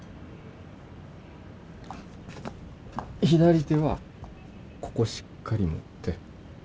左手はここしっかり持って。